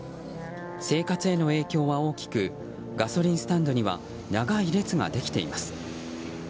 生活への影響は大きくガソリンスタンドには長い列ができています。